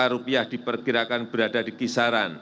empat belas empat ratus rupiah per dolar as